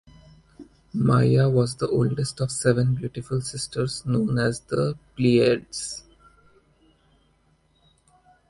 Maia was the oldest of seven beautiful sisters known as the Pleiades.